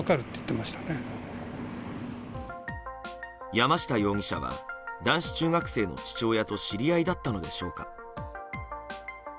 山下容疑者は男子中学生の父親と知り合いだったのでしょうか。